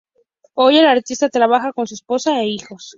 Hoy, el artista trabaja con su esposa e hijos.